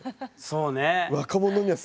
そうね。